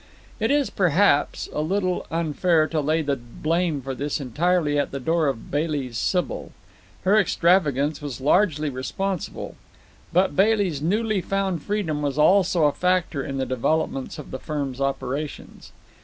It is, perhaps, a little unfair to lay the blame for this entirely at the door of Bailey's Sybil. Her extravagance was largely responsible; but Bailey's newly found freedom was also a factor in the developments of the firm's operations.